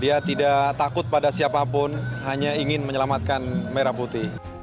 dia tidak takut pada siapapun hanya ingin menyelamatkan merah putih